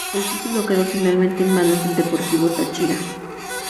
El título quedó finalmente en manos del Deportivo Táchira.